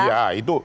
iya itu itu